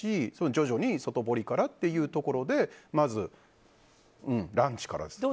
徐々に外堀からというところでまずランチからですね。